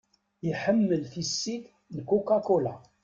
Iḥemmel tissit n Coca-Cola.